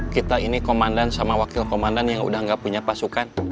kita ini komandan sama wakil komandan yang udah gak punya pasukan